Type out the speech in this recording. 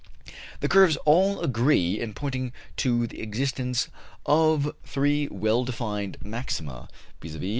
The curves all agree in pointing to the existence of three well defined maxima, viz.